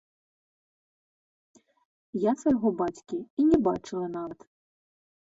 Я свайго бацькі і не бачыла нават.